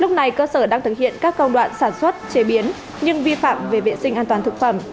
lúc này cơ sở đang thực hiện các công đoạn sản xuất chế biến nhưng vi phạm về vệ sinh an toàn thực phẩm